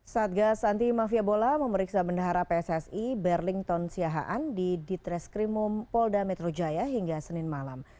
satgas anti mafia bola memeriksa bendahara pssi berlington siahaan di ditreskrimum polda metro jaya hingga senin malam